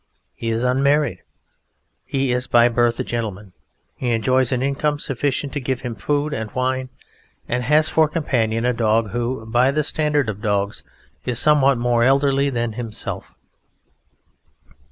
He is unmarried, he is by birth a gentleman, he enjoys an income sufficient to give him food and wine, and has for companion a dog who, by the standard of dogs, is somewhat more elderly than himself.